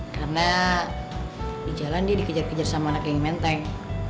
karena di jalan dia dikejar kejar sama anak yang menteng